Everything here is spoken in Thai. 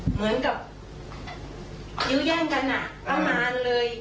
เหมือนกับยื้อแย่งกันประมาณเลย